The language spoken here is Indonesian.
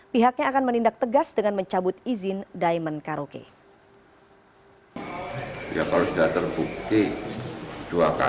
pihaknya akan menindak tegas dengan mencabut izin diamond karaoke